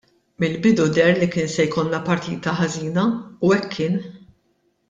Mill-bidu deher li kien se jkollna partita ħażina u hekk kien.